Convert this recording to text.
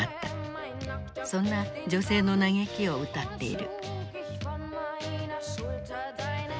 そんな女性の嘆きを歌っている。